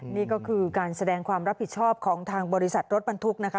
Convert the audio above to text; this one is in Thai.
นี่ก็คือการแสดงความรับผิดชอบของทางบริษัทรถบรรทุกนะคะ